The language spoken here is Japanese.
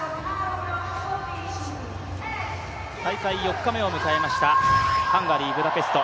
大会４日目を迎えました、ハンガリー・ブダペスト。